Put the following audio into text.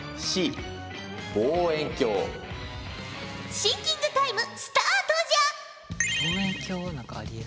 シンキングタイムスタートじゃ！